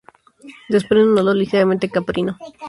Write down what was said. Desprende un olor ligeramente caprino.